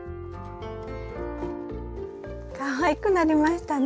かわいくなりましたね。